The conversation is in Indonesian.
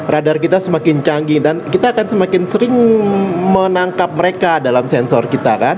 radar kita semakin canggih dan kita akan semakin sering menangkap mereka dalam sensor kita kan